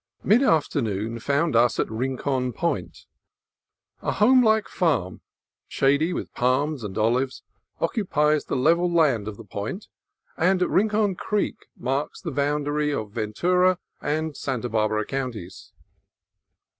Mid afternoon found us at Rincon Point. A homelike farm, shady with palms and olives, occu HOSPITALITY UNFAILING 81 pies the level land of the point, and Rincon Creek marks the boundary of Ventura and Santa Barbara Counties.